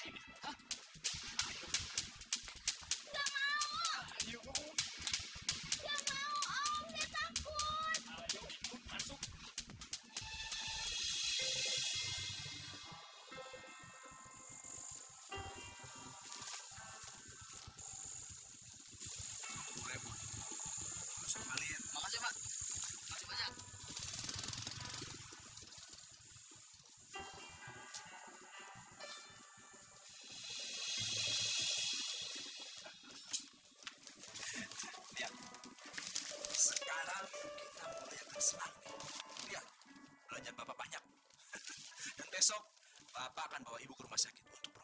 enggak mau enggak mau om saya takut